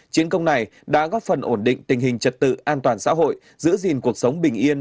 chiến công này đã góp phần ổn định tình hình trật tự an toàn xã hội giữ gìn cuộc sống bình yên